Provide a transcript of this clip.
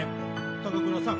高倉さん？